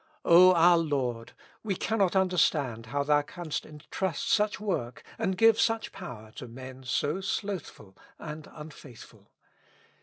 O our Lord ! we cannot understand how Thou canst entrust such work and give such power to men so slothful and unfaithful.